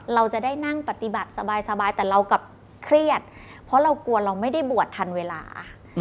เราจะได้นั่งปฏิบัติสบายแต่เรากลับเครียดเพราะเรากลัวเราไม่ได้บวชทันเวลา